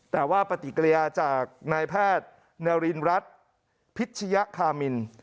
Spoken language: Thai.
แต่ว่าปฏิกิริยาจากนายแพทย์นารินรัฐพิชยคามิน